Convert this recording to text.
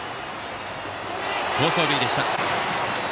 好走塁でした。